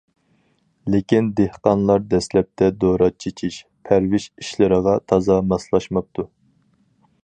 لېكىن دېھقانلار دەسلەپتە دورا چېچىش، پەرۋىش ئىشلىرىغا تازا ماسلاشماپتۇ.